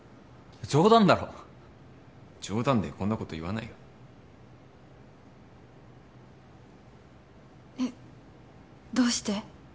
冗談だろ冗談でこんなこと言わないよえっどうして？